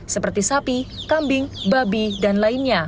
seperti sapi kambing babi dan lainnya